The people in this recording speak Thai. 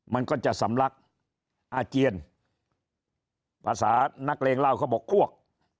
มันก็จะสำลักอาเจียนภาษานักเลงเล่าเขาบอกอ้วก